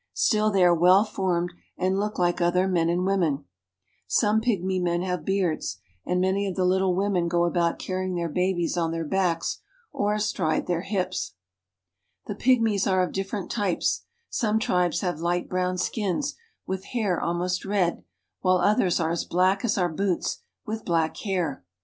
Still they are well formed, and look like other men and women. Some pygmy men have beards, and many of the little " Have you ever heard of Ihe pygmies ?" IN THE GREAT AFRICAN FOREST— PYGMIES 249 women go about carrying their babies on their backs or astride their hips. The pygmies are of different types. Some tribes have light brown skins, with hair almost red, while others are as black as our boots, with black hair.